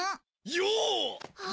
よう！